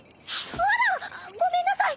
あら！ごめんなさい。